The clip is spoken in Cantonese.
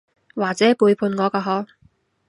或者背叛我㗎嗬？